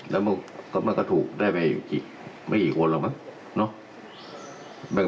แล้วมันก็ถูกได้ไปไม่กี่คนแล้วนะ